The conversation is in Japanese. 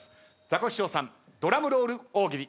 ザコシショウさんドラムロール大喜利。